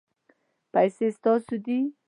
پیسې ستاسو دي